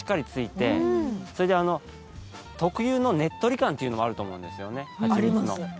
それで特有のねっとり感っていうのもあると思うんですよねはちみつの。